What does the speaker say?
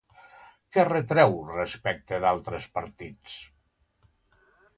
Què retreu respecte d'altres partits?